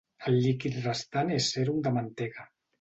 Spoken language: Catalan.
El líquid restant és sèrum de mantega.